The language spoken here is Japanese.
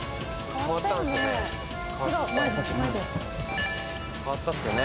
変わったっすよね。